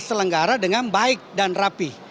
selenggara dengan baik dan rapih